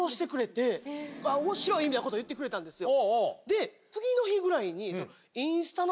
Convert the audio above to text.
面白いみたいなこと言ってくれたんですよ。